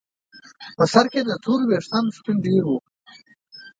په سر کې یې له تورو ویښتانو سپین ډیر وو.